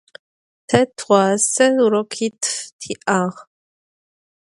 Te tığuase vurokitf ti'ağ.